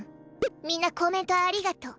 みんなコメントありがとう。